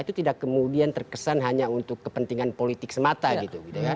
itu tidak kemudian terkesan hanya untuk kepentingan politik semata gitu